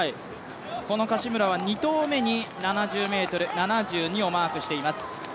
この柏村は２投目に７０ｍ７２をマークしています。